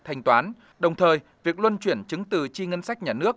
thanh toán đồng thời việc luân chuyển chứng từ chi ngân sách nhà nước